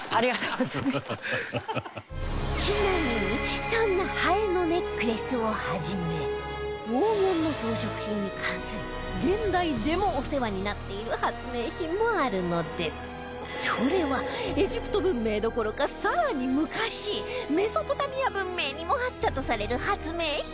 ちなみに、そんなハエのネックレスをはじめ黄金の装飾品に関する現代でもお世話になっている発明品もあるのですそれはエジプト文明どころか更に昔メソポタミア文明にもあったとされる発明品